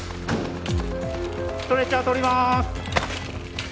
ストレッチャー通ります。